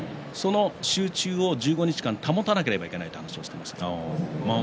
集中力を１５日間残さなければいけないと言っていました。